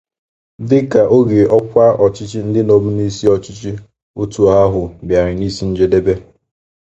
dịka ogè ọkwa ọchịchị ndị nọbụ n'isi ọchịchị òtù ahụ bịàrà n'isi njedobe.